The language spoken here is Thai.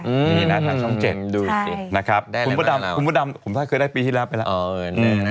อืมดูสินะครับคุณพ่อดำคุณพ่อดำคุณพ่อดำผมถ้าเคยได้ปีที่แล้วไปแล้ว